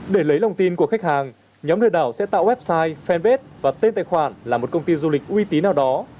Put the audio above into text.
để lấy lòng tin của khách hàng nhóm lừa đảo sẽ tạo website fanpage và tên tài khoản là một công ty du lịch uy tín nào đó